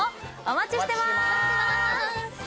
お待ちしてます。